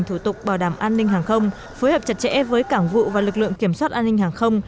thủ tục bảo đảm an ninh hàng không phối hợp chặt chẽ với cảng vụ và lực lượng kiểm soát an ninh hàng không